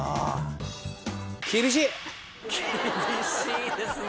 厳しいですね。